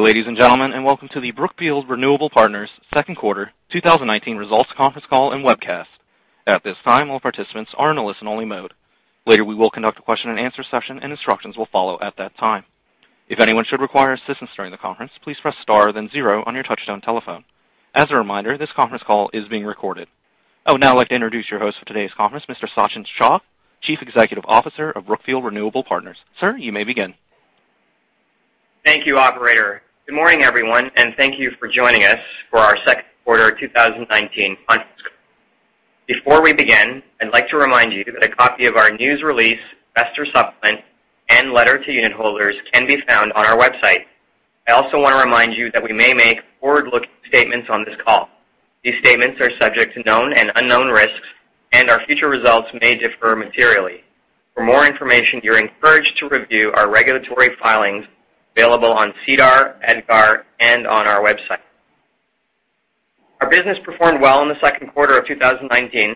Good day, ladies and gentlemen, welcome to the Brookfield Renewable Partners second quarter 2019 results conference call and webcast. At this time, all participants are in a listen-only mode. Later, we will conduct a question and answer session, and instructions will follow at that time. If anyone should require assistance during the conference, please press star then zero on your touch-tone telephone. As a reminder, this conference call is being recorded. Now I'd like to introduce your host for today's conference, Mr. Sachin Shah, Chief Executive Officer of Brookfield Renewable Partners. Sir, you may begin. Thank you, operator. Good morning, everyone, and thank you for joining us for our second quarter 2019 conference call. Before we begin, I'd like to remind you that a copy of our news release, investor supplement, and letter to unit holders can be found on our website. I also want to remind you that we may make forward-looking statements on this call. These statements are subject to known and unknown risks, and our future results may differ materially. For more information, you're encouraged to review our regulatory filings, available on SEDAR, EDGAR, and on our website. Our business performed well in the second quarter of 2019,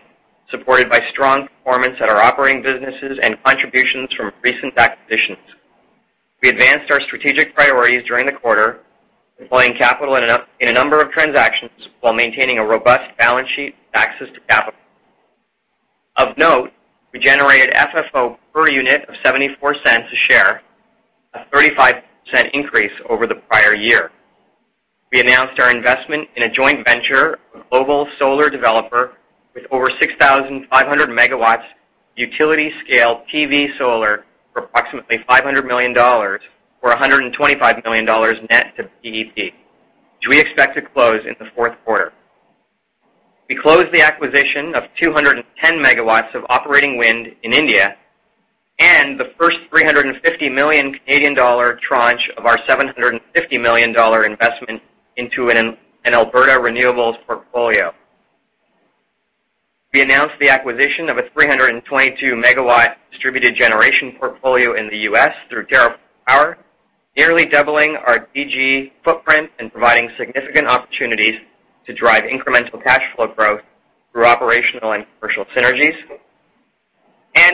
supported by strong performance at our operating businesses and contributions from recent acquisitions. We advanced our strategic priorities during the quarter, deploying capital in a number of transactions while maintaining a robust balance sheet and access to capital. Of note, we generated FFO per unit of $0.74 a share, a 35% increase over the prior year. We announced our investment in a joint venture with a global solar developer with over 6,500 MW utility-scale PV solar for approximately $500 million, or $125 million net to BEP, which we expect to close in the fourth quarter. We closed the acquisition of 210 MW of operating wind in India and the first CAD 350 million tranche of our $750 million investment into an Alberta renewables portfolio. We announced the acquisition of a 322 MW distributed generation portfolio in the U.S. through TerraForm Power, nearly doubling our DG footprint and providing significant opportunities to drive incremental cash flow growth through operational and commercial synergies.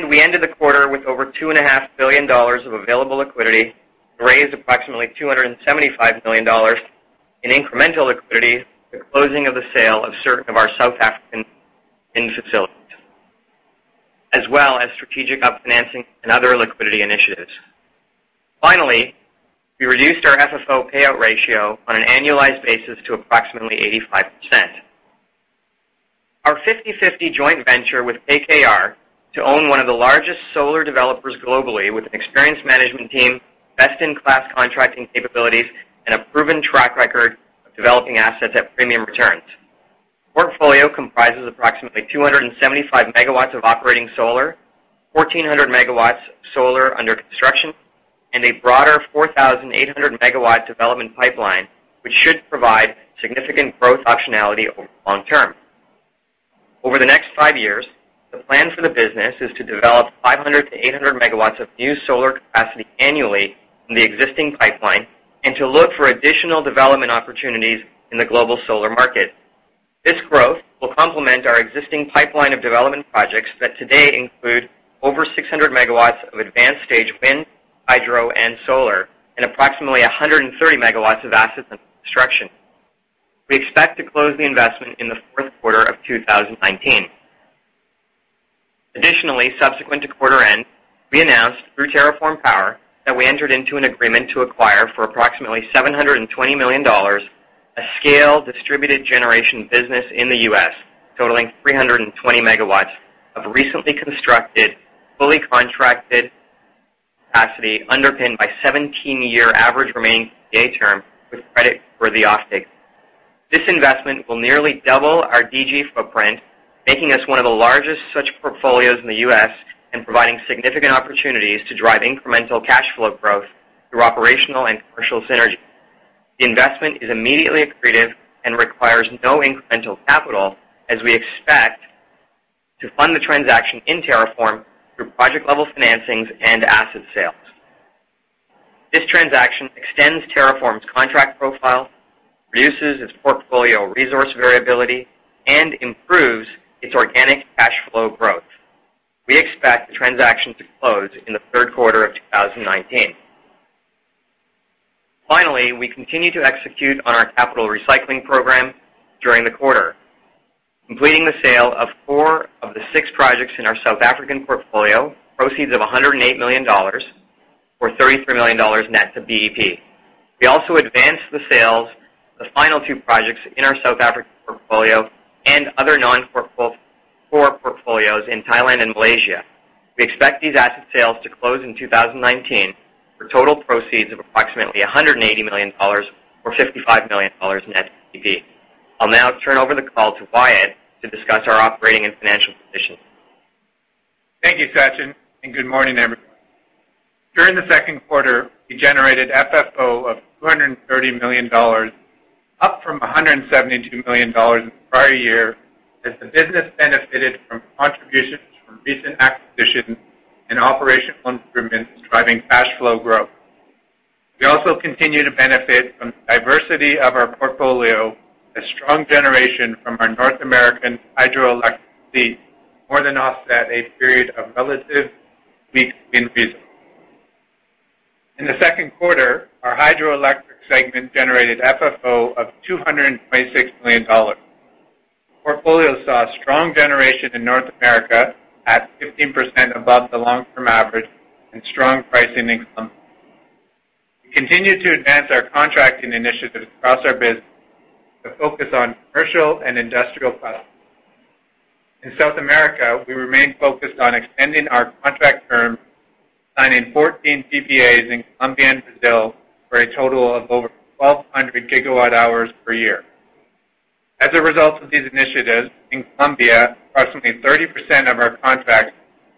We ended the quarter with over $2.5 billion of available liquidity and raised approximately $275 million in incremental liquidity with the closing of the sale of our South African wind facilities, as well as strategic up-financing and other liquidity initiatives. We reduced our FFO payout ratio on an annualized basis to approximately 85%. Our 50/50 joint venture with KKR to own one of the largest solar developers globally with an experienced management team, best-in-class contracting capabilities, and a proven track record of developing assets at premium returns. Portfolio comprises approximately 275 megawatts of operating solar, 1,400 megawatts of solar under construction, and a broader 4,800 megawatt development pipeline, which should provide significant growth optionality over the long term. Over the next five years, the plan for the business is to develop 500 to 800 MW of new solar capacity annually from the existing pipeline and to look for additional development opportunities in the global solar market. This growth will complement our existing pipeline of development projects that today include over 600 MW of advanced-stage wind, hydro, and solar and approximately 130 MW of assets under construction. We expect to close the investment in the fourth quarter of 2019. Additionally, subsequent to quarter end, we announced through TerraForm Power that we entered into an agreement to acquire, for approximately $720 million, a scale distributed generation business in the U.S., totaling 320 MW of recently constructed, fully contracted capacity underpinned by 17-year average remaining PPA term with credit for the off-take. This investment will nearly double our DG footprint, making us one of the largest such portfolios in the U.S. and providing significant opportunities to drive incremental cash flow growth through operational and commercial synergy. The investment is immediately accretive and requires no incremental capital, as we expect to fund the transaction in TerraForm through project-level financings and asset sales. This transaction extends TerraForm's contract profile, reduces its portfolio resource variability, and improves its organic cash flow growth. We expect the transaction to close in the third quarter of 2019. Finally, we continued to execute on our capital recycling program during the quarter, completing the sale of four of the six projects in our South African portfolio, proceeds of $108 million, or $33 million net to BEP. We also advanced the sales of the final two projects in our South African portfolio and other non-core portfolios in Thailand and Malaysia. We expect these asset sales to close in 2019 for total proceeds of approximately $180 million, or $55 million net to BEP. I'll now turn over the call to Wyatt to discuss our operating and financial position. Thank you, Sachin. Good morning, everyone. During the second quarter, we generated FFO of $230 million, up from $172 million in the prior year as the business benefited from contributions from recent acquisitions and operational improvements driving cash flow growth. We'll continue to benefit from the diversity of our portfolio as strong generation from our North American hydroelectric fleet more than offset a period of relative weakness in Brazil. In the second quarter, our hydroelectric segment generated FFO of $226 million. Our portfolio saw strong generation in North America at 15% above the long-term average and strong pricing income. We continue to advance our contracting initiatives across our business with a focus on commercial and industrial customers. In South America, we remain focused on extending our contract terms, signing 14 PPAs in Colombia and Brazil for a total of over 1,200 gigawatt hours per year. As a result of these initiatives, in Colombia, approximately 30% of our contracts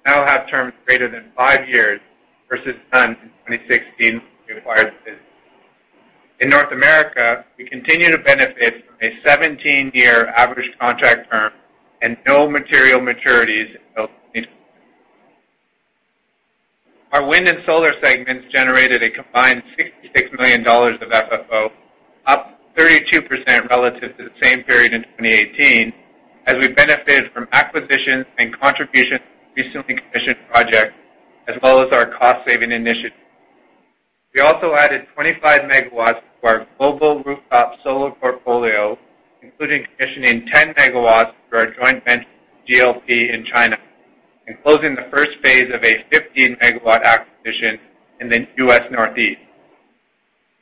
now have terms greater than five years versus none in 2016 when we acquired the business. In North America, we continue to benefit from a 17-year average contract term and no material maturities until 2024. Our wind and solar segments generated a combined $66 million of FFO, up 32% relative to the same period in 2018, as we benefited from acquisitions and contributions from recently commissioned projects, as well as our cost-saving initiatives. We also added 25 megawatts to our global rooftop solar portfolio, including commissioning 10 megawatts for our joint venture with GLP in China and closing the first phase of a 15-megawatt acquisition in the U.S. Northeast.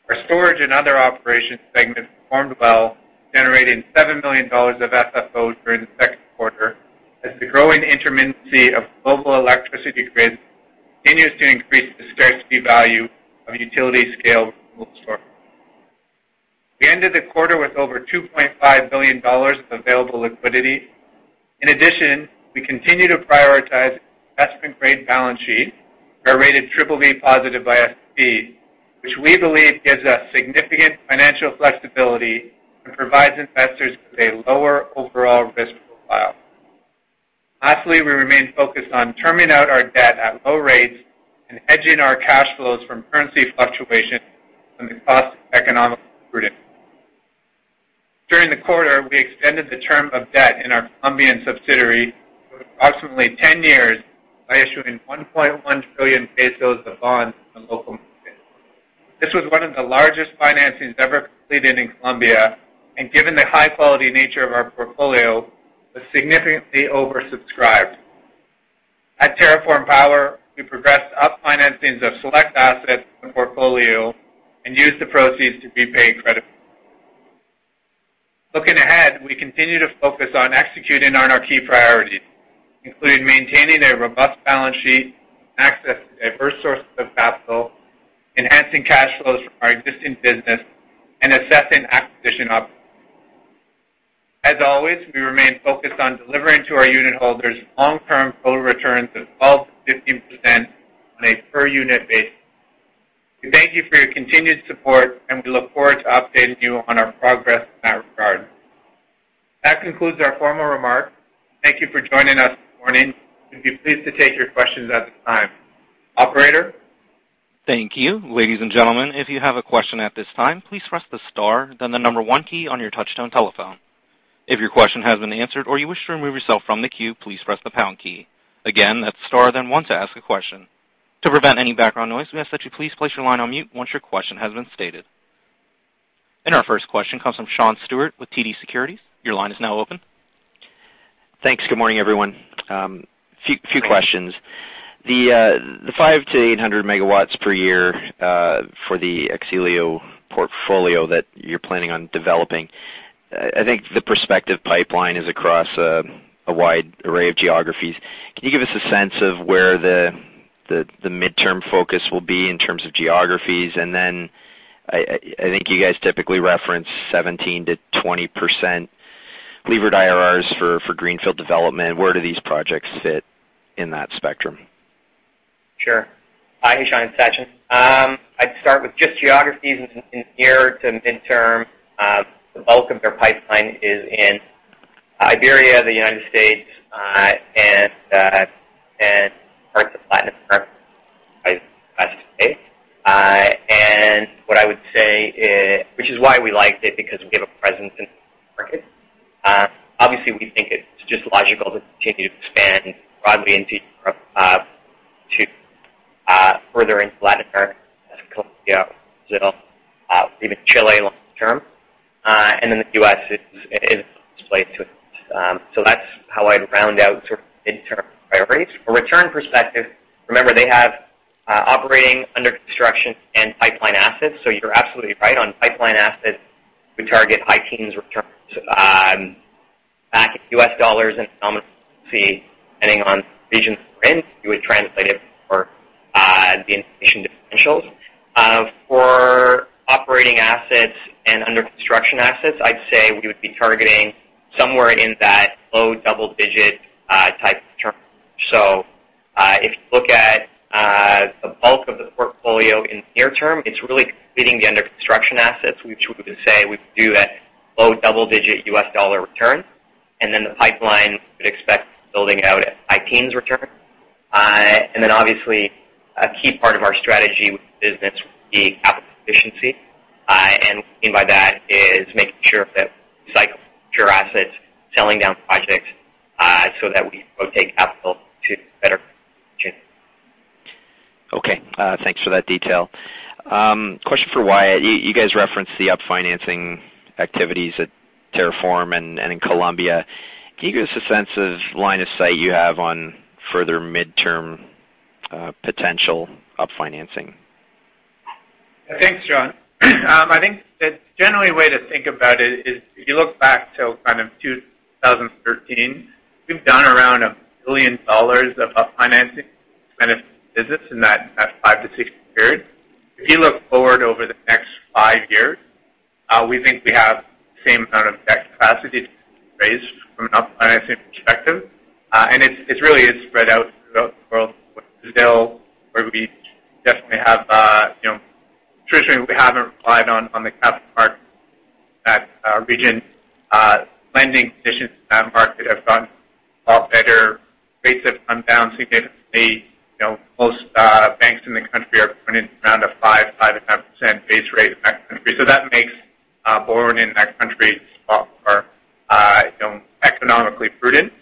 Our storage and other operations segment performed well, generating $7 million of FFO during the second quarter, as the growing intermittency of global electricity grids continues to increase the scarcity value of utility-scale renewable storage. We ended the quarter with over $2.5 billion of available liquidity. In addition, we continue to prioritize an investment-grade balance sheet. We are rated BBB+ by S&P, which we believe gives us significant financial flexibility and provides investors with a lower overall risk profile. Lastly, we remain focused on terming out our debt at low rates and hedging our cash flows from currency fluctuations from the cost of economic prudence. During the quarter, we extended the term of debt in our Colombian subsidiary to approximately 10 years by issuing COP 1.1 trillion of bonds in the local market. This was one of the largest financings ever completed in Colombia, and given the high-quality nature of our portfolio, was significantly oversubscribed. At TerraForm Power, we progressed up financings of select assets in the portfolio and used the proceeds to repay credit. Looking ahead, we continue to focus on executing on our key priorities, including maintaining a robust balance sheet, access to diverse sources of capital, enhancing cash flows from our existing business, and assessing acquisition opportunities. As always, we remain focused on delivering to our unit holders long-term total returns of 12%-15% on a per-unit basis. We thank you for your continued support, and we look forward to updating you on our progress in that regard. That concludes our formal remarks. Thank you for joining us this morning. We'd be pleased to take your questions at this time. Operator? Thank you. Ladies and gentlemen, if you have a question at this time, please press the star, then the number one key on your touchtone telephone. If your question has been answered or you wish to remove yourself from the queue, please press the pound key. Again, that's star then one to ask a question. To prevent any background noise, we ask that you please place your line on mute once your question has been stated. Our first question comes from Sean Steuart with TD Securities. Your line is now open. Thanks. Good morning, everyone. A few questions. The 500-800 MW per year for the X-ELIO portfolio that you're planning on developing, I think the prospective pipeline is across a wide array of geographies. Can you give us a sense of where the midterm focus will be in terms of geographies? I think you guys typically reference 17%-20% levered IRRs for greenfield development. Where do these projects fit in that spectrum? Sure. Hi, Sean. It's Sachin. I'd start with just geographies in near to midterm. The bulk of their pipeline is in Iberia, the United States, and parts of Latin America, I'd say. What I would say is, which is why we liked it, because we have a presence in those markets. Obviously, we think it's just logical to continue to expand broadly into Europe to further in Latin America, Colombia, Brazil, even Chile long term. Then the U.S. is a place with potential. That's how I'd round out sort of midterm priorities. For return perspective, remember, they have operating under construction and pipeline assets. You're absolutely right. On pipeline assets, we target high teens returns back in $ and nominal fee, depending on the region you're in. You would translate it for the inflation differentials. For operating assets and under construction assets, I'd say we would be targeting somewhere in that low double-digit type return. If you look at the bulk of the portfolio in the near term, it's really fitting the. construction assets, which we would say we do at low double-digit U.S. dollar return, and then the pipeline would expect building out at high teens return. Obviously, a key part of our strategy with the business would be capital efficiency. What we mean by that is making sure that we cycle mature assets, selling down projects, so that we rotate capital to better return. Okay. Thanks for that detail. Question for Wyatt. You guys referenced the up-financing activities at TerraForm and in Colombia. Can you give us a sense of line of sight you have on further midterm potential up-financing? Thanks, Sean. I think the general way to think about it is if you look back to 2013, we've done around $1 billion of up-financing business in that 5-6 year period. If you look forward over the next 5 years, we think we have the same amount of debt capacity to be raised from an up-financing perspective. It really is spread out throughout the world. With Brazil, where traditionally, we haven't relied on the capital markets in that region. Lending conditions in that market have gotten a lot better. Rates have come down significantly. Most banks in the country are printing around a 5%, 5.5% base rate in that country. That makes borrowing in that country a lot more economically prudent.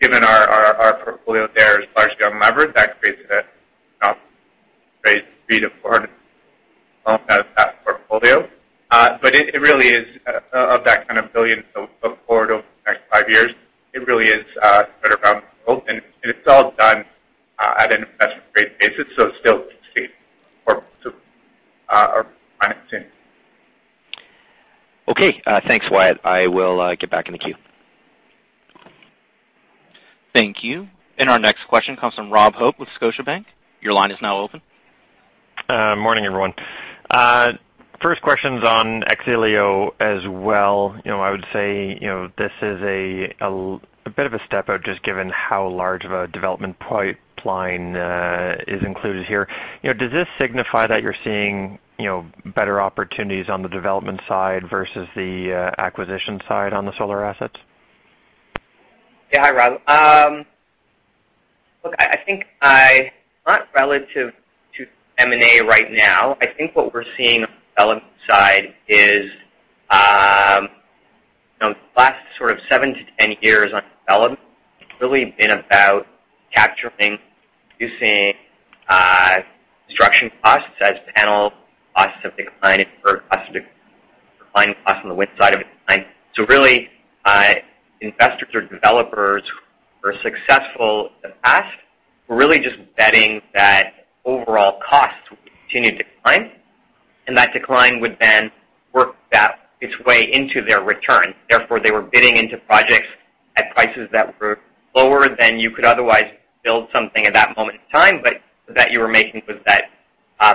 Given our portfolio there is largely unlevered, that creates an opportunity to raise pretty affordable amount of that portfolio. But it really is, of that kind of $1 billion forward over the next five years, it really is spread around the world, and it's all done at an investment-grade basis, so it's still cheap for our financing. Okay, thanks, Wyatt. I will get back in the queue. Thank you. Our next question comes from Rob Hope with Scotiabank. Your line is now open. Morning, everyone. First question's on X-ELIO as well. I would say, this is a bit of a step up, just given how large of a development pipeline is included here. Does this signify that you're seeing better opportunities on the development side versus the acquisition side on the solar assets? Hi, Rob. I think not relative to M&A right now. I think what we're seeing on the development side is, the last sort of seven to 10 years on development, it's really been about capturing, reducing construction costs as panel costs have declined and turbine costs have declined, costs on the wind side have declined. Really, investors or developers who were successful in the past were really just betting that overall costs would continue to decline, and that decline would then work its way into their return. They were bidding into projects at prices that were lower than you could otherwise build something at that moment in time, but that you were making was that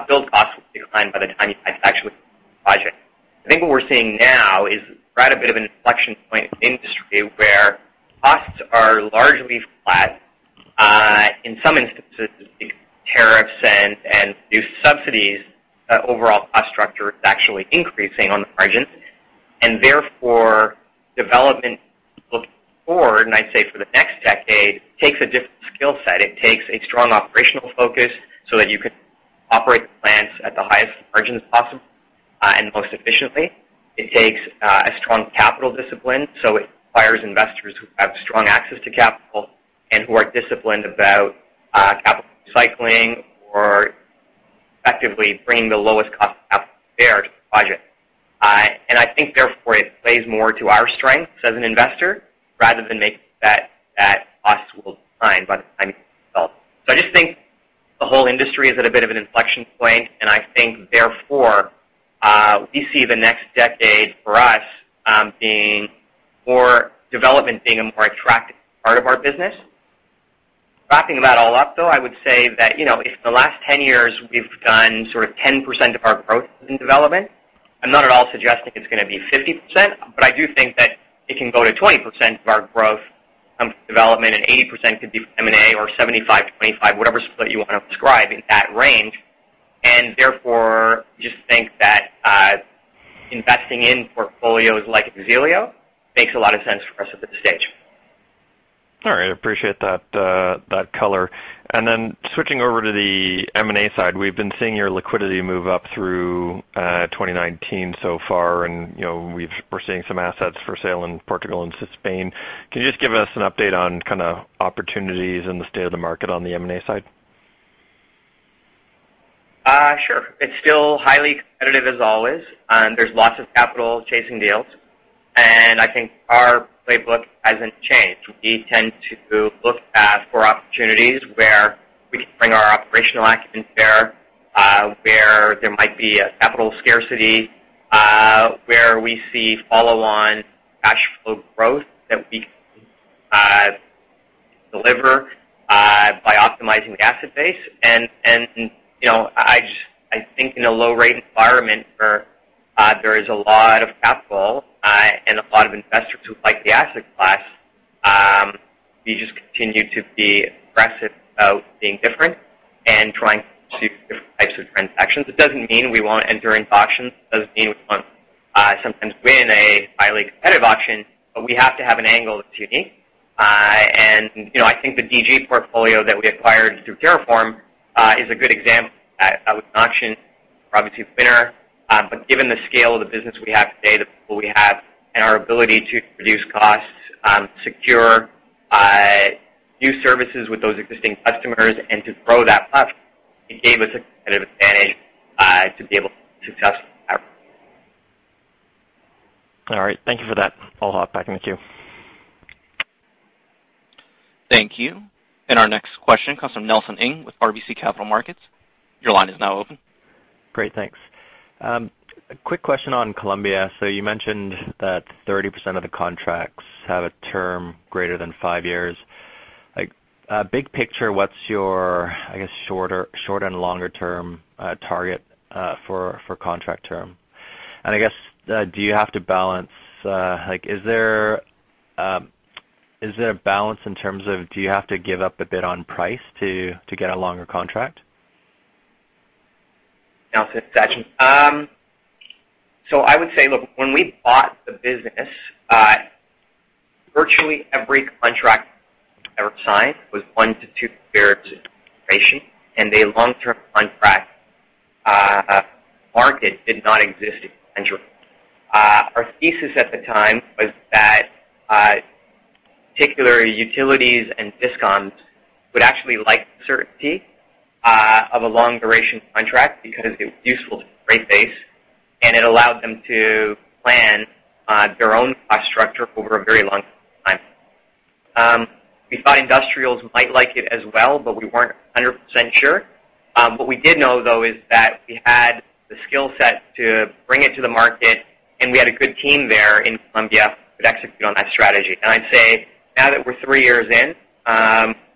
build costs would decline by the time you'd actually complete the project. I think what we're seeing now is we're at a bit of an inflection point in the industry where costs are largely flat. In some instances, with these tariffs and new subsidies, overall cost structure is actually increasing on the margins. Therefore, development looking forward, and I'd say for the next decade, takes a different skill set. It takes a strong operational focus so that you can operate the plants at the highest margins possible and most efficiently. It takes a strong capital discipline, so it requires investors who have strong access to capital and who are disciplined about capital recycling or effectively bringing the lowest cost of capital compared to the project. I think therefore, it plays more to our strengths as an investor rather than making a bet that costs will decline by the time you complete development. I just think the whole industry is at a bit of an inflection point, and I think therefore, we see the next 10 years for us, development being a more attractive part of our business. Wrapping that all up, though, I would say that, if the last 10 years we've done sort of 10% of our growth in development, I'm not at all suggesting it's going to be 50%, but I do think that it can go to 20% of our growth coming from development and 80% could be from M&A or 75/25, whatever split you want to prescribe in that range. Therefore, we just think that investing in portfolios like X-ELIO makes a lot of sense for us at this stage. All right. I appreciate that color. Then switching over to the M&A side, we've been seeing your liquidity move up through 2019 so far, and we're seeing some assets for sale in Portugal and Spain. Can you just give us an update on kind of opportunities and the state of the market on the M&A side? Sure. It's still highly competitive as always. There's lots of capital chasing deals. I think our playbook hasn't changed. We tend to look for opportunities where we can bring our operational acumen to bear, where there might be a capital scarcity, where we see follow-on cash flow growth that we can deliver by optimizing the asset base. I think in a low-rate environment where there is a lot of capital and a lot of investors who like the asset class. We just continue to be aggressive about being different and trying to see different types of transactions. It doesn't mean we won't enter into auctions, it doesn't mean we won't sometimes win a highly competitive auction. We have to have an angle that's unique. I think the DG portfolio that we acquired through TerraForm is a good example of that. That was an auction, we were obviously the winner. Given the scale of the business we have today, the people we have, and our ability to reduce costs, secure new services with those existing customers and to grow that up, it gave us a competitive advantage to be able to be successful. All right. Thank you for that. I'll hop back in the queue. Thank you. Our next question comes from Nelson Ng with RBC Capital Markets. Your line is now open. Great, thanks. A quick question on Colombia. You mentioned that 30% of the contracts have a term greater than five years. Big picture, what's your, I guess short and longer term target for contract term? I guess, Is there a balance in terms of, do you have to give up a bit on price to get a longer contract? Nelson, it's Sachin. I would say, look, when we bought the business, virtually every contract that we ever signed was one to two years in duration, and the long-term contract market did not exist in Colombia. Our thesis at the time was that, particularly utilities and DISCOMs would actually like the certainty of a long-duration contract because it was useful to their rate base, and it allowed them to plan their own cost structure over a very long period of time. We thought industrials might like it as well, but we weren't 100% sure. What we did know, though, is that we had the skill set to bring it to the market, and we had a good team there in Colombia that could execute on that strategy. I'd say now that we're three years in,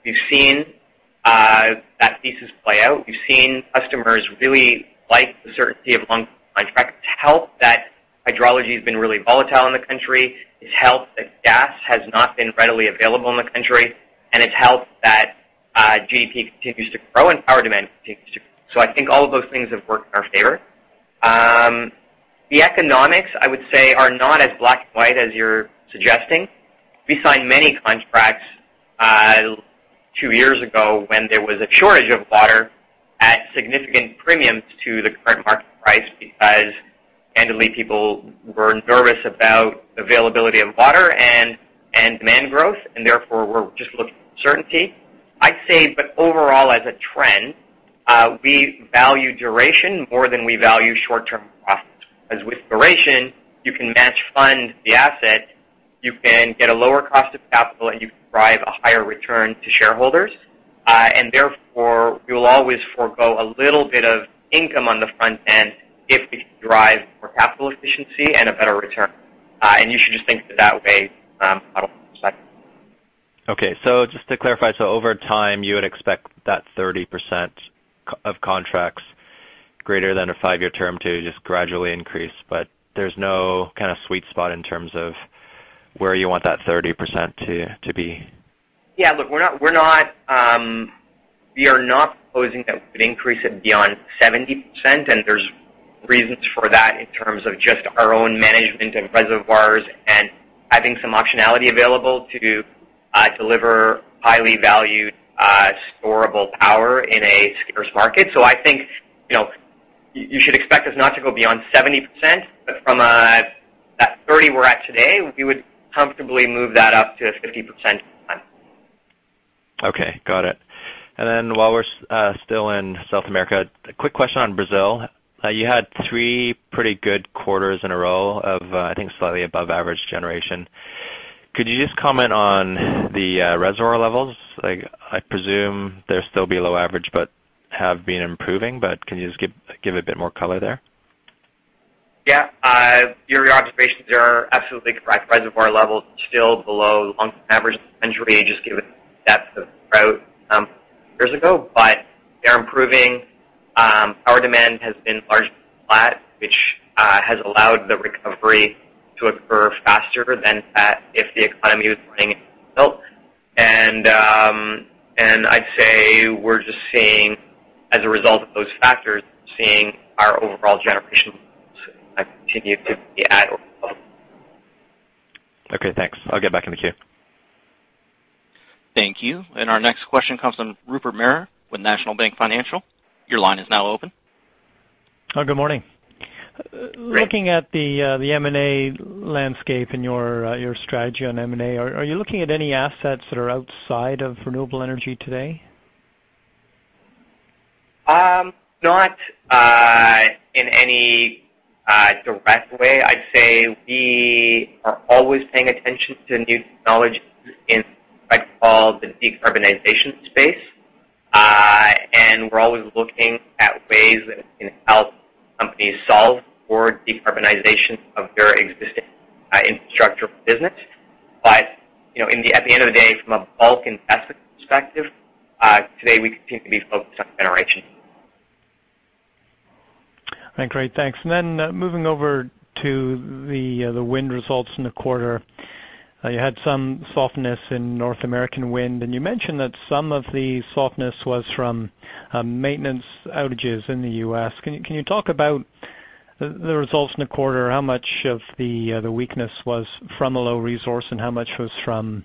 we've seen that thesis play out. We've seen customers really like the certainty of long-term contracts. It's helped that hydrology has been really volatile in the country. It's helped that gas has not been readily available in the country, and it's helped that GDP continues to grow and power demand continues to grow. I think all of those things have worked in our favor. The economics, I would say, are not as black and white as you're suggesting. We signed many contracts two years ago when there was a shortage of water at significant premiums to the current market price because candidly, people were nervous about availability of water and demand growth and therefore were just looking for certainty. I'd say, overall, as a trend, we value duration more than we value short-term profits. Because with duration, you can match fund the asset, you can get a lower cost of capital, and you can drive a higher return to shareholders. Therefore, we will always forego a little bit of income on the front end if we can drive more capital efficiency and a better return. You should just think of it that way, Nelson. Okay. Just to clarify, so over time, you would expect that 30% of contracts greater than a five-year term to just gradually increase, but there's no kind of sweet spot in terms of where you want that 30% to be? Yeah, look, we are not proposing that we increase it beyond 70%. There's reasons for that in terms of just our own management of reservoirs and having some optionality available to deliver highly valued storable power in a scarce market. I think you should expect us not to go beyond 70%, but from that 30% we're at today, we would comfortably move that up to a 50% at some time. Okay, got it. While we're still in South America, a quick question on Brazil. You had three pretty good quarters in a row of, I think, slightly above average generation. Could you just comment on the reservoir levels? I presume they'll still be below average, but have been improving, but can you just give a bit more color there? Yeah. Your observations are absolutely correct. Reservoir levels are still below the long-term average in the country, just given the depth of the drought a couple years ago, but they're improving. Power demand has been largely flat, which has allowed the recovery to occur faster than if the economy was running into a tailwind. I'd say we're just seeing, as a result of those factors, we're seeing our overall generation levels continue to be at or above. Okay, thanks. I'll get back in the queue. Thank you. Our next question comes from Rupert Merer with National Bank Financial. Your line is now open. Good morning. Great. Looking at the M&A landscape and your strategy on M&A, are you looking at any assets that are outside of renewable energy today? Not in any direct way. I'd say we are always paying attention to new technologies in what I call the decarbonization space. We're always looking at ways that we can help companies solve for decarbonization of their existing infrastructure business. At the end of the day, from a bulk investment perspective, today we continue to be focused on generation. Great. Thanks. Moving over to the wind results in the quarter. You had some softness in North American wind, and you mentioned that some of the softness was from maintenance outages in the U.S. Can you talk about the results in the quarter, how much of the weakness was from a low resource and how much was from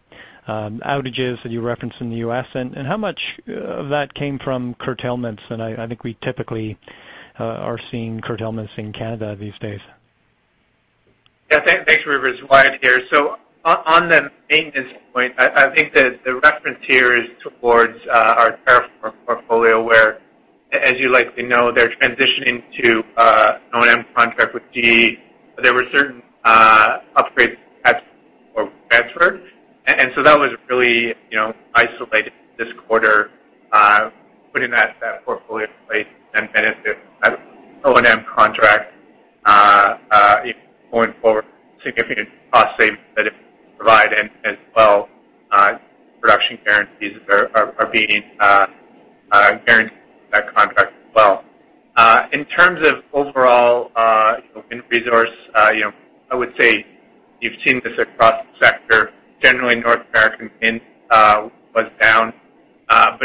outages that you referenced in the U.S.? How much of that came from curtailments? I think we typically are seeing curtailments in Canada these days. Thanks, Rupert. It's Wyatt here. On the maintenance point, I think that the reference here is towards our TerraForm portfolio, where, as you likely know, they're transitioning to an O&M contract with GE. There were certain upgrades that were transferred, and so that was really isolated this quarter, putting that portfolio in place and benefit O&M contract going forward, significant cost savings that it provide, and as well, production guarantees are being guaranteed that contract as well. In terms of overall open resource, I would say you've seen this across the sector. Generally, North American wind was down.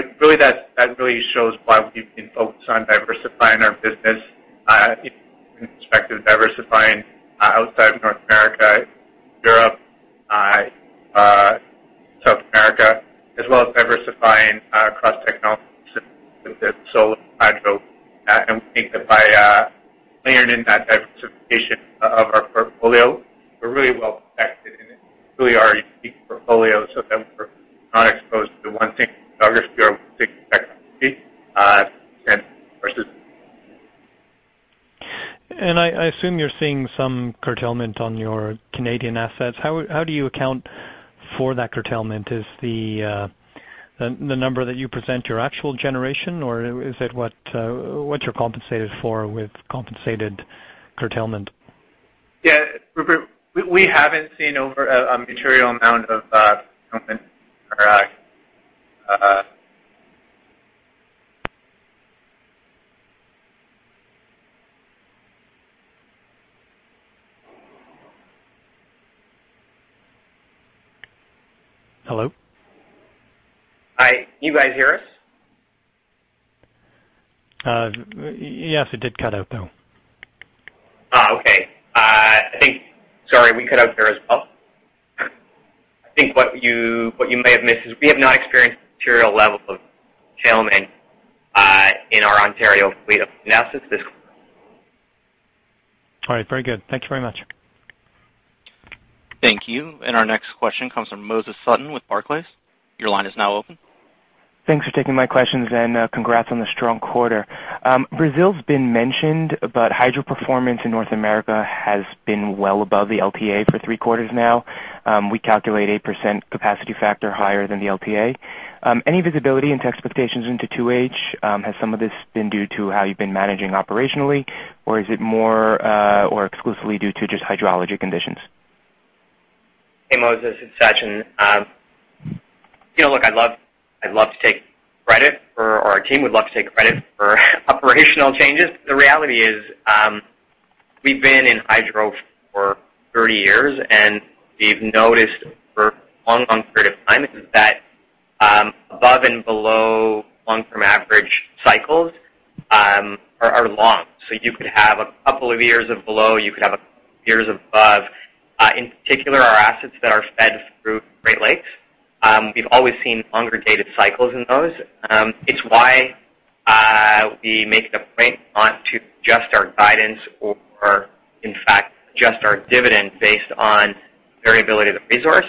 That really shows why we've been focused on diversifying our business perspective, diversifying outside of North America, Europe, South America, as well as diversifying across technologies such as solar and hydro. We think that by layering in that diversification of our portfolio, we're really well-protected, and it's really our unique portfolio so that we're not exposed to one single geography or one single technology. I assume you're seeing some curtailment on your Canadian assets. How do you account for that curtailment? Is the number that you present your actual generation or is it what you're compensated for with compensated curtailment? Rupert, we haven't seen a material amount of curtailment. Hello? Hi. You guys hear us? Yes, it did cut out, though. Oh, okay. Sorry, we cut out there as well. I think what you may have missed is we have not experienced material level of curtailment in our Ontario fleet of assets this quarter. All right. Very good. Thank you very much. Thank you. Our next question comes from Moses Sutton with Barclays. Your line is now open. Thanks for taking my questions, and congrats on the strong quarter. Brazil's been mentioned, but hydro performance in North America has been well above the LPA for three quarters now. We calculate 8% capacity factor higher than the LPA. Any visibility into expectations into 2H? Has some of this been due to how you've been managing operationally, or is it more or exclusively due to just hydrology conditions? Hey, Moses, it's Sachin. Look, I'd love to take credit, or our team would love to take credit for operational changes. The reality is we've been in hydro for 30 years, and we've noticed for a long, long period of time is that above and below long-term average cycles are long. You could have a couple of years of below, you could have a couple years above. In particular, our assets that are fed through the Great Lakes, we've always seen longer data cycles in those. It's why we make it a point not to adjust our guidance or, in fact, adjust our dividend based on variability of the resource.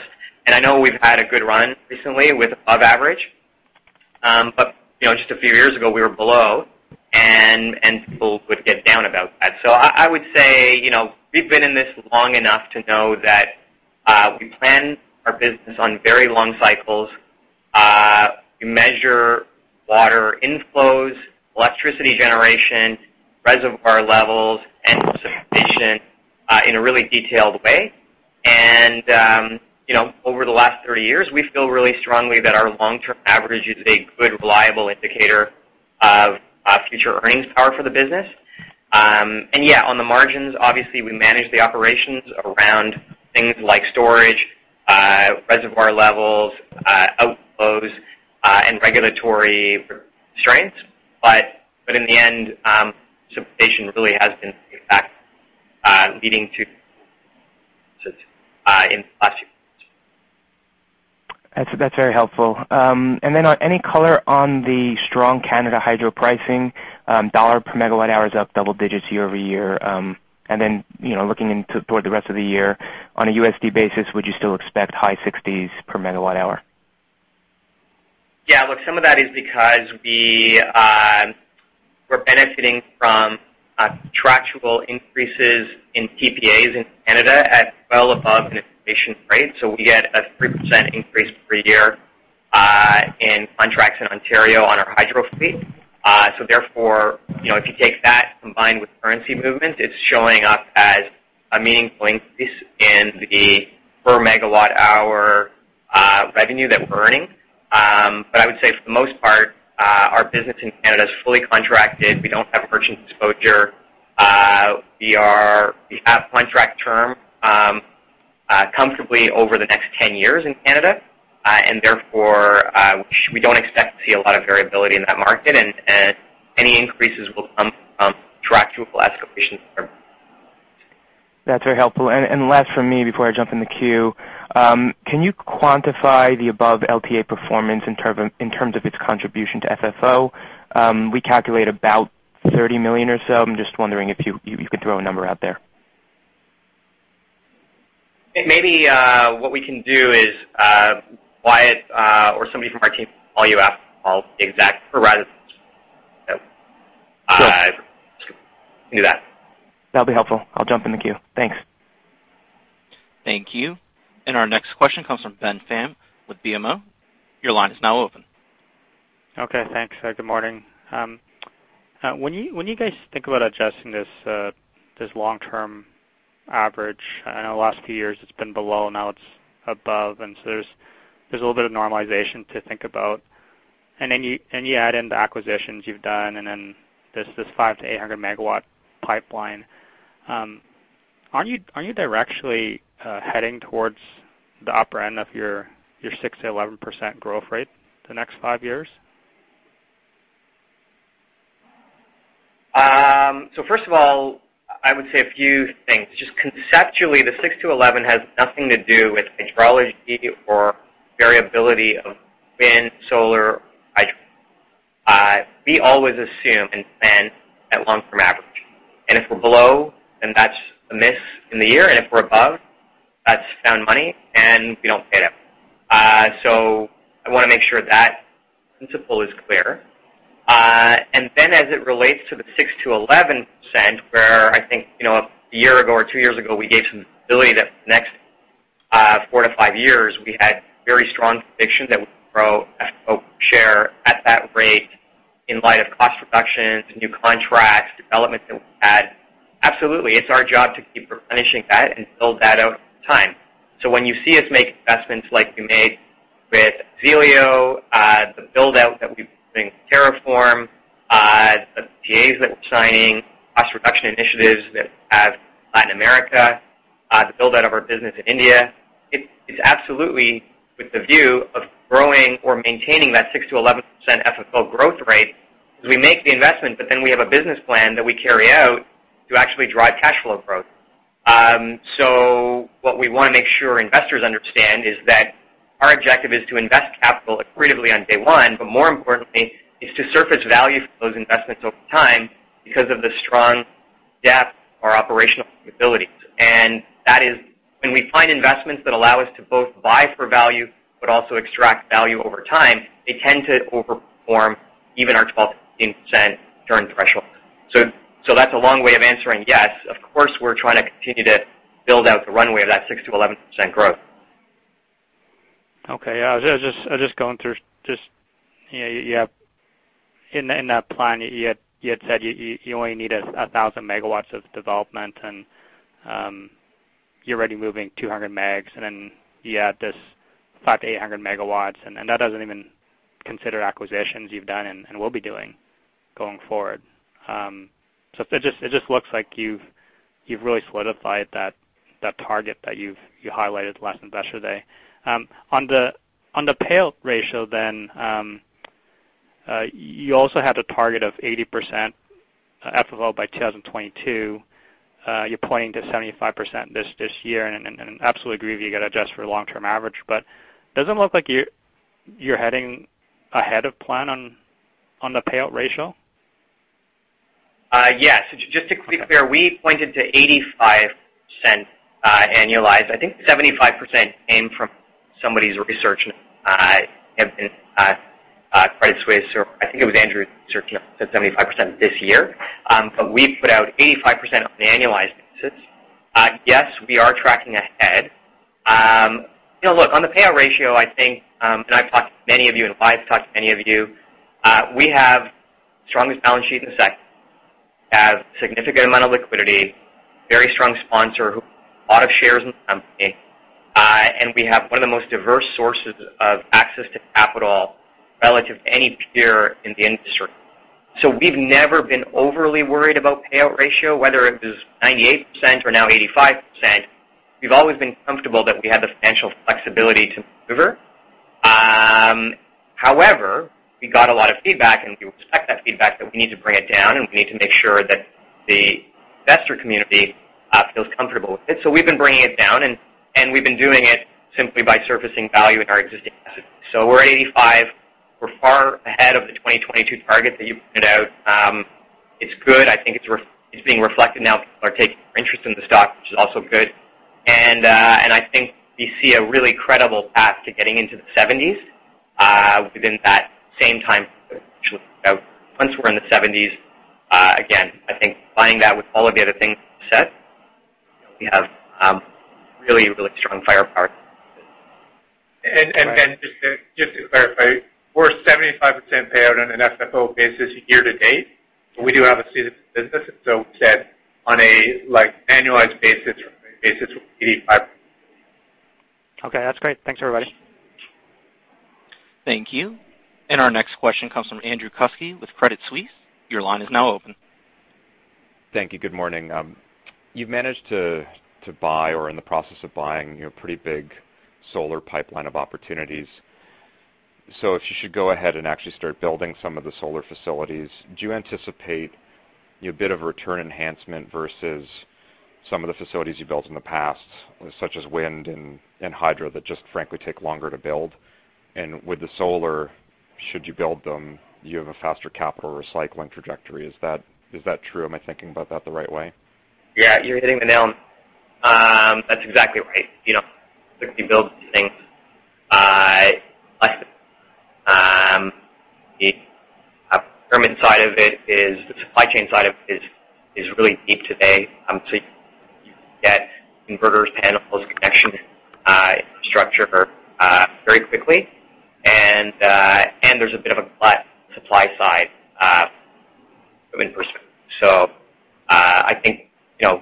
I know we've had a good run recently with above average. Just a few years ago we were below, and people would get down about that. I would say, we've been in this long enough to know that we plan our business on very long cycles. We measure water inflows, electricity generation, reservoir levels, and precipitation in a really detailed way. Over the last 30 years, we feel really strongly that our long-term average is a good, reliable indicator of future earnings power for the business. Yeah, on the margins, obviously, we manage the operations around things like storage, reservoir levels, outflows, and regulatory constraints. In the end, precipitation really has been a factor leading to in the last few years. That's very helpful. Then any color on the strong Canada hydro pricing? $ per megawatt hour is up double digits year-over-year. Then, looking toward the rest of the year, on a USD basis, would you still expect high 60s $ per megawatt hour? Look, some of that is because we're benefiting from contractual increases in PPAs in Canada at well above an inflation rate. We get a 3% increase per year in contracts in Ontario on our hydro fleet. Therefore, if you take that combined with currency movement, it is showing up as a meaningful increase in the per megawatt hour revenue that we're earning. I would say for the most part, our business in Canada is fully contracted. We don't have merchant exposure. We have contract term comfortably over the next 10 years in Canada. Therefore, we don't expect to see a lot of variability in that market, and any increases will come from contractual escalation terms. That's very helpful. Last from me before I jump in the queue, can you quantify the above LPA performance in terms of its contribution to FFO? We calculate about $30 million or so. I'm just wondering if you could throw a number out there. Maybe what we can do is, Wyatt or somebody from our team will call you after with the exact do that. That'll be helpful. I'll jump in the queue. Thanks. Thank you. Our next question comes from Ben Pham with BMO. Your line is now open. Okay, thanks. Good morning. When you guys think about adjusting this long-term average, I know the last few years it's been below, now it's above, and so there's a little bit of normalization to think about. Then you add in the acquisitions you've done, and then there's this 500-megawatt to 800-megawatt pipeline. Aren't you directionally heading towards the upper end of your 6%-11% growth rate the next five years? First of all, I would say a few things. Just conceptually, the 6%-11% has nothing to do with hydrology or variability of wind, solar, hydro. We always assume and plan at long-term average. If we're below, then that's a miss in the year, and if we're above, that's found money, and we don't pay a dividend. I want to make sure that principle is clear. As it relates to the 6%-11%, where I think a year ago or two years ago, we gave some visibility that for the next four to five years, we had very strong conviction that we could grow FFO per share at that rate in light of cost reductions, new contracts, developments that we've had. Absolutely. It's our job to keep replenishing that and build that out over time. When you see us make investments like we made with Azelio, the build-out that we've been doing with TerraForm, the PAs that we're signing, cost reduction initiatives that we have in Latin America, the build-out of our business in India. It's absolutely with the view of growing or maintaining that 6%-11% FFO growth rate, because we make the investment, but then we have a business plan that we carry out to actually drive cash flow growth. What we want to make sure investors understand is that our objective is to invest capital accretively on day one, but more importantly, is to surface value for those investments over time because of the strong depth of our operational capabilities. That is when we find investments that allow us to both buy for value, but also extract value over time, they tend to over-perform even our 12%-15% return threshold. That's a long way of answering yes, of course, we're trying to continue to build out the runway of that 6%-11% growth. Okay. I was just going through. In that plan, you had said you only need 1,000 megawatts of development, and you're already moving 200 megs, and then you add this 500-800 megawatts, and that doesn't even consider acquisitions you've done and will be doing going forward. It just looks like you've really solidified that target that you highlighted last Investor Day. On the payout ratio, you also had a target of 80% FFO by 2022. You're pointing to 75% this year, and I absolutely agree with you got to adjust for long-term average. Does it look like you're heading ahead of plan on the payout ratio? Yes. Just to be clear, we pointed to 85% annualized. I think 75% came from somebody's research in Credit Suisse, or I think it was Andrew's research that said 75% this year. We've put out 85% on an annualized basis. Yes, we are tracking ahead. Look, on the payout ratio, I think, and I've talked to many of you, and Wyatt's talked to many of you. We have the strongest balance sheet in the sector. We have a significant amount of liquidity, a very strong sponsor who bought up shares in the company. We have one of the most diverse sources of access to capital relative to any peer in the industry. We've never been overly worried about payout ratio, whether it was 98% or now 85%. We've always been comfortable that we have the financial flexibility to maneuver. We got a lot of feedback, and we respect that feedback, that we need to bring it down, and we need to make sure that the investor community feels comfortable with it. We've been bringing it down, and we've been doing it simply by surfacing value in our existing assets. We're at 85%. We're far ahead of the 2022 target that you pointed out. It's good. I think it's being reflected now. People are taking more interest in the stock, which is also good. I think we see a really credible path to getting into the 70s within that same time frame. Once we're in the 70s, again, I think combining that with all of the other things we said, we have really, really strong firepower. Ben, just to clarify, we're at 75% payout on an FFO basis year to date. We do have a seasoned business. Okay, that's great. Thanks, everybody. Thank you. Our next question comes from Andrew Kuske with Credit Suisse. Your line is now open. Thank you. Good morning. You've managed to buy or are in the process of buying a pretty big solar pipeline of opportunities. If you should go ahead and actually start building some of the solar facilities, do you anticipate a bit of a return enhancement versus some of the facilities you built in the past, such as wind and hydro, that just frankly take longer to build? With the solar, should you build them, do you have a faster capital recycling trajectory? Is that true? Am I thinking about that the right way? Yeah, you're hitting the nail on the head. That's exactly right. Quickly build these things. The permitting side of it, the supply chain side of it is really deep today. You can get inverters, panels, connection structure very quickly, and there's a bit of a glut supply side in person. I think, going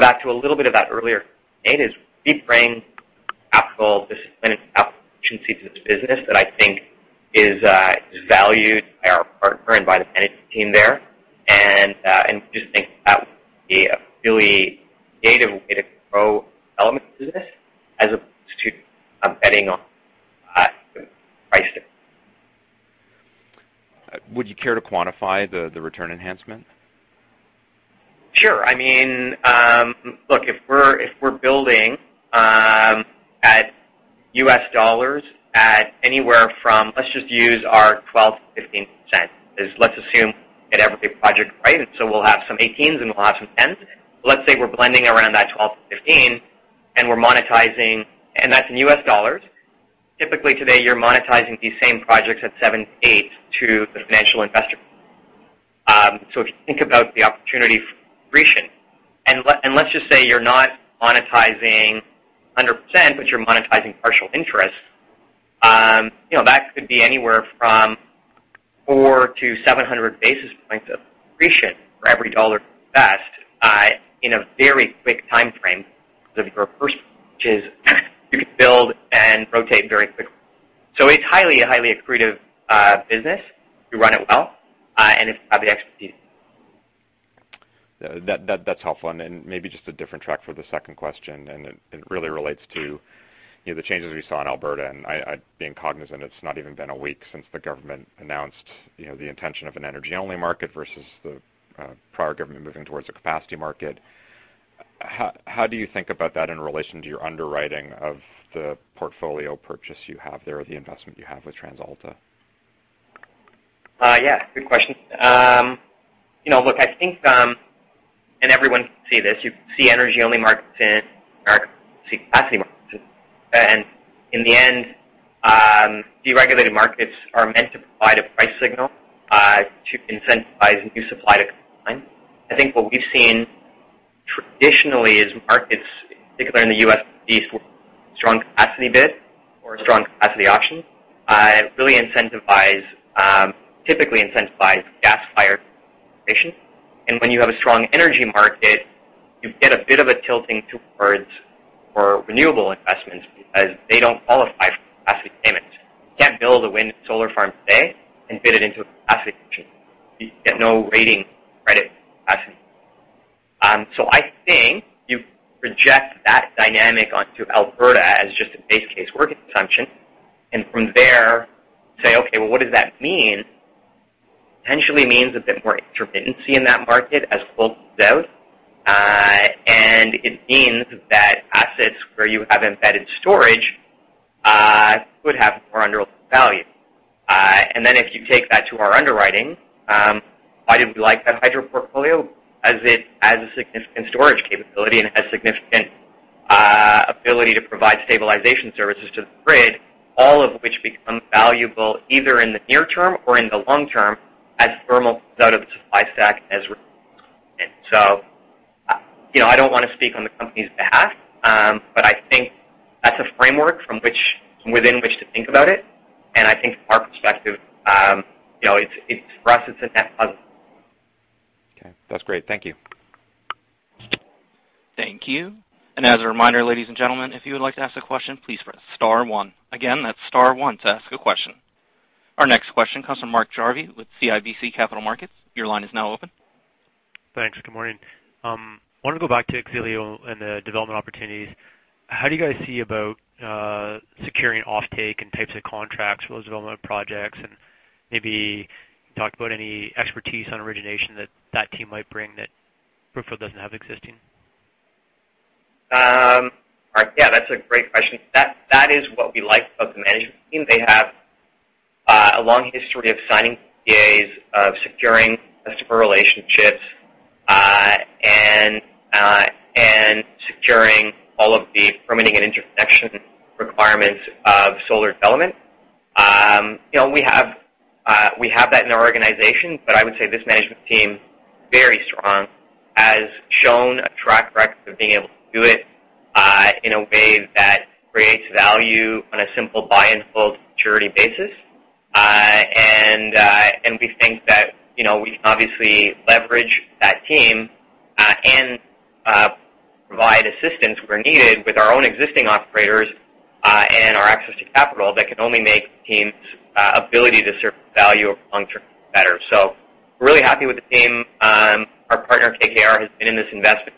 back to a little bit of that earlier, we bring capital discipline and efficiency to this business that I think is valued by our partner and by the management team there. We just think that would be a really data way to grow element business as opposed to betting on price. Would you care to quantify the return enhancement? Sure. Look, if we're building at $0.12-$0.15. Let's assume we hit every project right, we'll have some $0.18s and we'll have some $0.10s. Let's say we're blending around that $0.12-$0.15, and we're monetizing, and that's in US dollars. Typically, today, you're monetizing these same projects at 7%-8% to the financial investor. If you think about the opportunity for accretion, and let's just say you're not monetizing 100%, but you're monetizing partial interest. That could be anywhere from 400-700 basis points of accretion for every dollar you invest in a very quick timeframe for the first purchase, you can build and rotate very quickly. It's highly accretive business. We run it well, and it's got the expertise. That's helpful, and maybe just a different track for the second question, and it really relates to the changes we saw in Alberta. Being cognizant, it's not even been a week since the government announced the intention of an energy-only market versus the prior government moving towards a capacity market. How do you think about that in relation to your underwriting of the portfolio purchase you have there or the investment you have with TransAlta? Yeah, good question. Look, I think, everyone can see this, you see energy-only markets in the U.S., see capacity markets. In the end, deregulated markets are meant to provide a price signal to incentivize new supply to come online. I think what we've seen traditionally is markets, particularly in the U.S. East, strong capacity bid or a strong capacity auction. It really typically incentivizes gas-fired generation. When you have a strong energy market, you get a bit of a tilting towards more renewable investments because they don't qualify for capacity payments. You can't build a wind solar farm today and bid it into a capacity auction. You get no rating credit for capacity. I think you project that dynamic onto Alberta as just a base case working assumption. From there say, "Okay, well, what does that mean?" Potentially means a bit more intermittency in that market as coal phases out. It means that assets where you have embedded storage would have more underlying value. Then if you take that to our underwriting, why did we like that hydro portfolio? As it has a significant storage capability and has significant ability to provide stabilization services to the grid, all of which become valuable either in the near term or in the long term as thermal phases out of the supply stack. I don't want to speak on the company's behalf, but I think that's a framework within which to think about it. I think from our perspective, for us, it's a net positive. Okay. That's great. Thank you. Thank you. As a reminder, ladies and gentlemen, if you would like to ask a question, please press star one. Again, that's star one to ask a question. Our next question comes from Mark Jarvi with CIBC Capital Markets. Your line is now open. Thanks. Good morning. I want to go back to X-ELIO and the development opportunities. How do you guys see about securing offtake and types of contracts for those development projects, and maybe talk about any expertise on origination that that team might bring that Brookfield doesn't have existing? Mark, yeah, that's a great question. That is what we like about the management team. They have a long history of signing PPAs, of securing customer relationships, and securing all of the permitting and interconnection requirements of solar development. We have that in our organization, but I would say this management team, very strong, has shown a track record of being able to do it in a way that creates value on a simple buy and hold to maturity basis. We think that, we can obviously leverage that team, and provide assistance where needed with our own existing operators, and our access to capital that can only make the team's ability to serve the value of long-term better. We're really happy with the team. Our partner, KKR, has been in this investment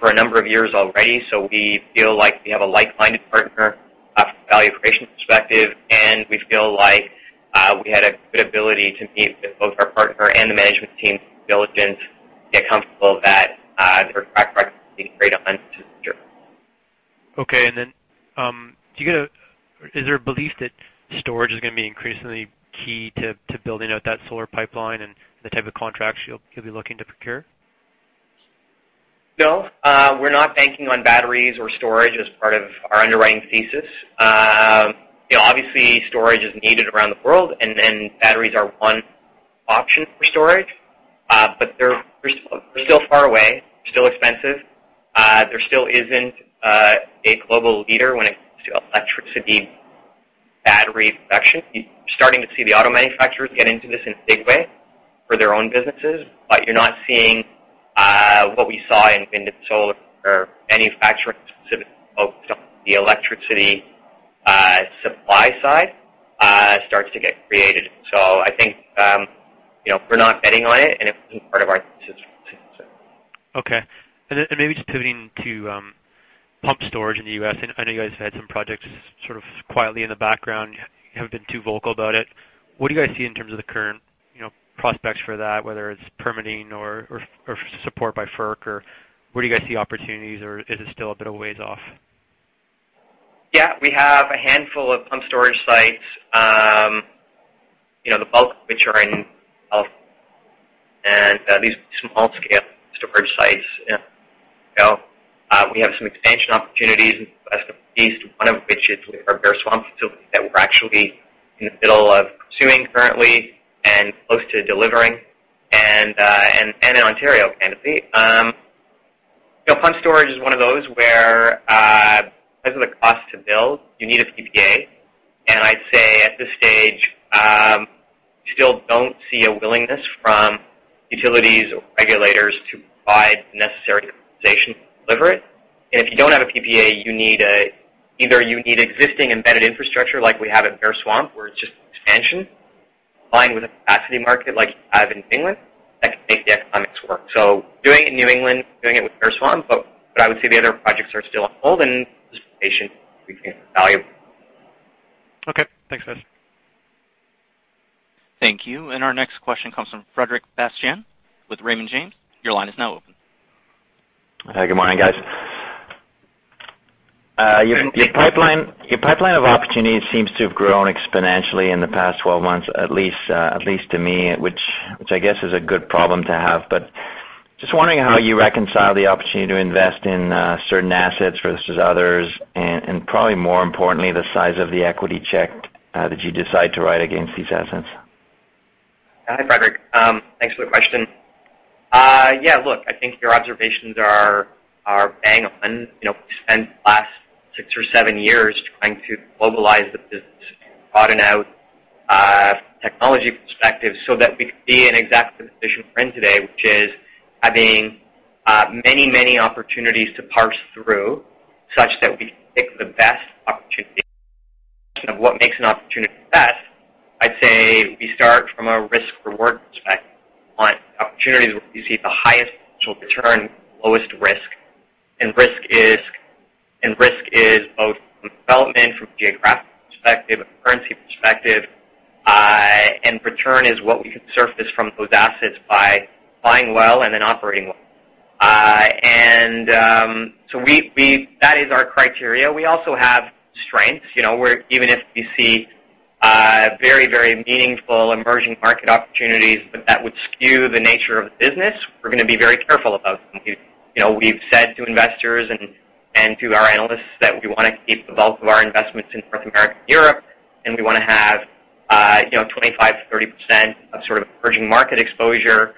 for a number of years already, so we feel like we have a like-minded partner from a value creation perspective, and we feel like we had a good ability to meet with both our partner and the management team's diligence to get comfortable that their track record has been great on to date. Okay. Is there a belief that storage is going to be increasingly key to building out that solar pipeline and the type of contracts you'll be looking to procure? No, we're not banking on batteries or storage as part of our underwriting thesis. Obviously, storage is needed around the world, and batteries are one option for storage. They're still far away, still expensive. There still isn't a global leader when it comes to electricity battery production. You're starting to see the auto manufacturers get into this in a big way for their own businesses. You're not seeing what we saw in solar where manufacturing specifically focused on the electricity supply side starts to get created. I think, we're not betting on it, and it isn't part of our thesis. Okay. Maybe just pivoting to pump storage in the U.S. I know you guys have had some projects sort of quietly in the background. You haven't been too vocal about it. What do you guys see in terms of the current prospects for that, whether it's permitting or support by FERC? Where do you guys see opportunities, or is it still a bit of ways off? Yeah. We have a handful of pump storage sites. The bulk of which are in California, and these are small-scale storage sites in Colorado. We have some expansion opportunities in the Eastern U.S. One of which is with our Bear Swamp facility that we're actually in the middle of commissioning currently and close to delivering, and in Ontario, candidly. Pump storage is one of those where, because of the cost to build, you need a PPA. I'd say at this stage, we still don't see a willingness from utilities or regulators to provide the necessary compensation to deliver it. If you don't have a PPA, either you need existing embedded infrastructure, like we have at Bear Swamp, where it's just an expansion combined with a capacity market like you have in New England that can make the economics work. Doing it in New England, doing it with Bear Swamp, but I would say the other projects are still on hold, and just patient value. Okay. Thanks, guys. Thank you. Our next question comes from Frederic Bastien with Raymond James. Your line is now open. Good morning, guys. Your pipeline of opportunities seems to have grown exponentially in the past 12 months, at least to me, which I guess is a good problem to have. Just wondering how you reconcile the opportunity to invest in certain assets versus others, and probably more importantly, the size of the equity check that you decide to write against these assets? Hi, Frederic. Thanks for the question. I think your observations are bang-on. We spent the last six or seven years trying to globalize the business, broaden out technology perspective so that we could be in exactly the position we're in today, which is having many opportunities to parse through such that we can pick the best opportunity. In terms of what makes an opportunity the best, I'd say we start from a risk-reward perspective. We want opportunities where we see the highest potential return, lowest risk. Risk is both from development, from a geographic perspective, a currency perspective, and return is what we can surface from those assets by buying well and then operating well. That is our criteria. We also have strengths. Even if we see very meaningful emerging market opportunities, but that would skew the nature of the business, we're going to be very careful about them. We've said to investors and to our analysts that we want to keep the bulk of our investments in North America and Europe. We want to have 25%-30% of sort of emerging market exposure.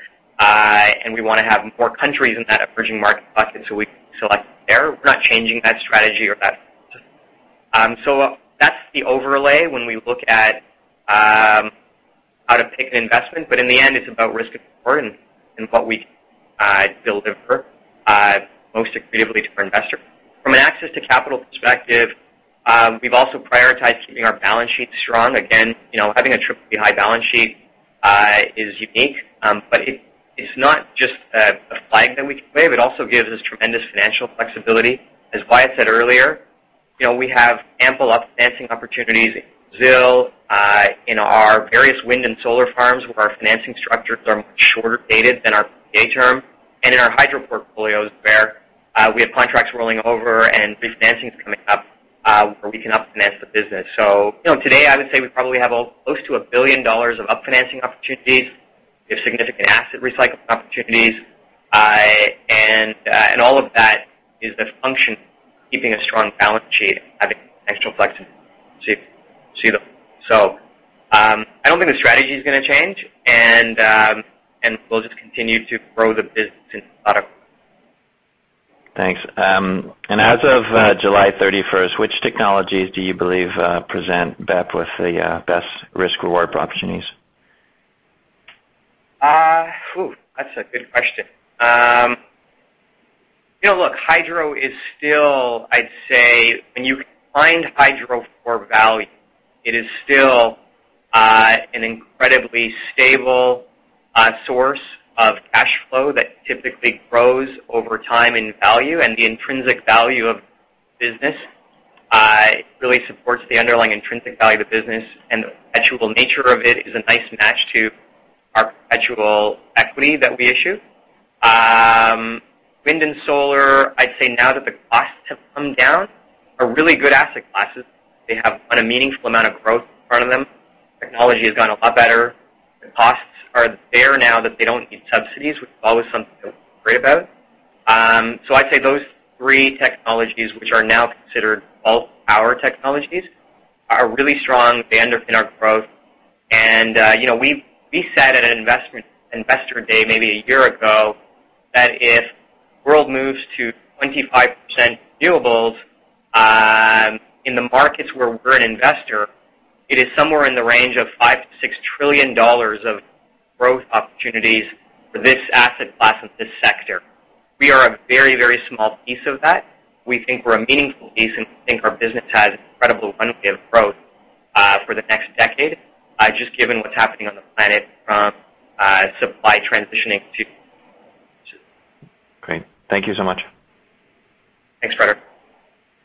We want to have more countries in that emerging market bucket, so we can select there. We're not changing that strategy or that. That's the overlay when we look at how to pick an investment. In the end, it's about risk and reward and what we can deliver most effectively to our investors. From an access to capital perspective, we've also prioritized keeping our balance sheet strong. Again, having a BBB+ balance sheet is unique. It is not just a flag that we can wave. It also gives us tremendous financial flexibility. As Wyatt said earlier, we have ample up-financing opportunities in Brazil, in our various wind and solar farms, where our financing structures are much shorter dated than our PPA term, and in our hydro portfolios where we have contracts rolling over and refinancing is coming up, where we can up-finance the business. Today, I would say we probably have close to $1 billion of up-financing opportunities. We have significant asset recycling opportunities. All of that is a function of keeping a strong balance sheet and having financial flexibility. I don't think the strategy is going to change, and we'll just continue to grow the business. Thanks. As of July 31st, which technologies do you believe present BEP with the best risk-reward opportunities? That's a good question. Look, hydro is still, I'd say, when you find hydro for value, it is still an incredibly stable source of cash flow that typically grows over time in value. The intrinsic value of the business really supports the underlying intrinsic value of the business, the perpetual nature of it is a nice match to our perpetual equity that we issue. Wind and solar, I'd say now that the costs have come down, are really good asset classes. They have a meaningful amount of growth in front of them. Technology has gotten a lot better. The costs are there now that they don't need subsidies, which is always something that we worry about. I'd say those three technologies, which are now considered bulk power technologies, are really strong. They underpin our growth. We said at an investor day maybe a year ago that if the world moves to 25% renewables, in the markets where we're an investor, it is somewhere in the range of $5 trillion-$6 trillion of growth opportunities for this asset class and this sector. We are a very, very small piece of that. We think we're a meaningful piece, and we think our business has incredible runway of growth for the next decade, just given what's happening on the planet from supply transitioning to. Great. Thank you so much. Thanks, Frederic.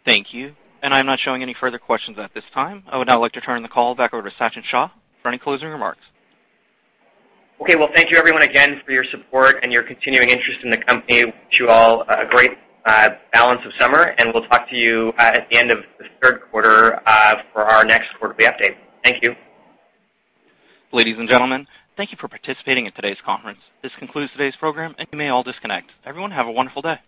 Thank you. I'm not showing any further questions at this time. I would now like to turn the call back over to Sachin Shah for any closing remarks. Okay. Well, thank you everyone again for your support and your continuing interest in the company. Wish you all a great balance of summer, and we'll talk to you at the end of the third quarter for our next quarterly update. Thank you. Ladies and gentlemen, thank you for participating in today's conference. This concludes today's program, and you may all disconnect. Everyone, have a wonderful day.